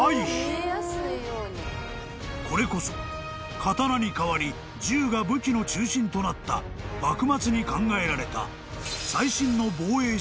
［これこそ刀に代わり銃が武器の中心となった幕末に考えられた］